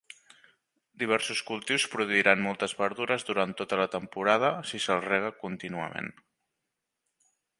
Diversos cultius produiran moltes verdures durant tota la temporada si se'ls rega contínuament.